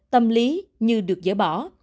tâm lý như được dỡ bỏ